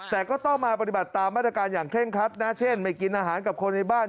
แต่ก็ต้องมาปฏิบัติตามมาตรการอย่างเคร่งคัดนะเช่นไม่กินอาหารกับคนในบ้าน